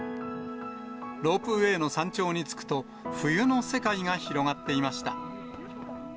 ロープウエーの山頂に着くと、冬の世界が広がっていました。